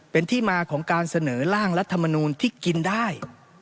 เป็นที่มาของการเสนอร่างรัฐมนูลที่กินได้